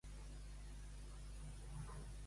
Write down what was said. No t'excitis, cel·lulitis!